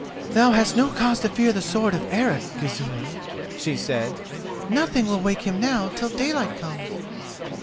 "Thou hast no cause to fear the sword of Eric, Gizur," she said. "Nothing will wake him now till daylight comes."